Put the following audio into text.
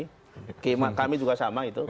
dugaan kami kami juga sama itu